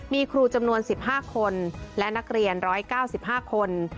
มีครูจำนวน๑๕คนและนักเรียน๑๙๕คน